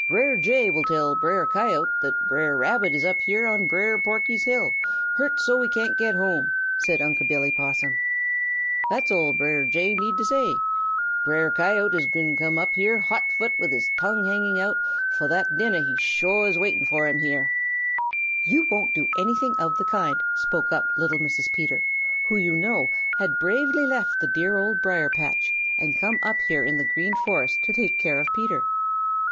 Brer Jay will tell Brer Coyote that Brer Rabbit is up here on Brer Porky's hill, hurt so that he can't get home," said Unc' Billy Possum. "That's all Brer Jay need to say. Brer Coyote is gwine to come up here hot foot with his tongue hanging out fo' that dinner he's sho' is waiting fo' him here." "You won't do anything of the kind!" spoke up little Mrs. Peter, who, you know, had bravely left the dear Old Briar patch and come up here in the Green Forest to take care of Peter.